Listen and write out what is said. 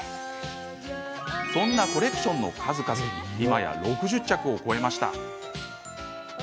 そんなコレクションの数々今や、６０着を超えました。